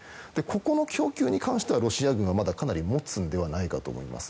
ここの供給に関してはロシア軍はまだかなり持つんではないかと思います。